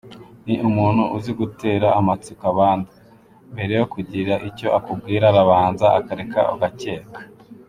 Ni umuntu uzi gutera amatsiko abandi, mbere yo kugira icyo akubwira arabanza akareka ugacyeka.